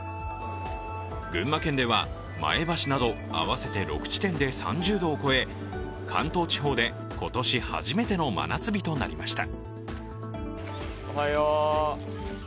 群馬県では前橋など合わせて６地点で３０度を超え、関東地方で今年初めての真夏日となりました。